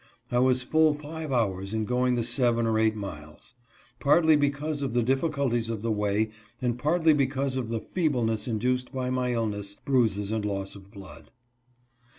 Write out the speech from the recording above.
I was full five hours in going the seven or eight miles ; partly because of the difficulties of the way, and partly because of the feebleness induced by my illness, bruises, and loss of blood.